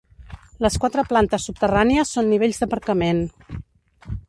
Les quatre plantes subterrànies són nivells d'aparcament.